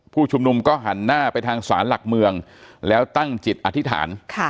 ผู้ชุมนุมก็หันหน้าไปทางศาลหลักเมืองแล้วตั้งจิตอธิษฐาน